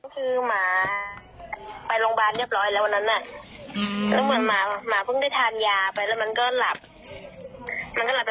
ทางฝั่งทางด้านขวามือของกล้องเหรอครับ